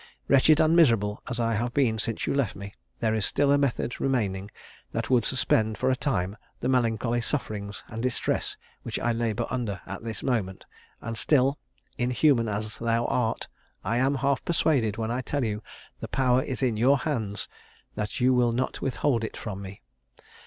Wretched and miserable as I have been since you left me, there is still a method remaining that would suspend, for a time, the melancholy sufferings and distress which I labour under at this moment; and still, inhuman as thou art, I am half persuaded, when I tell you the power is in your hands, that you will not withhold it from me.